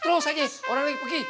terus lagi orang lagi pergi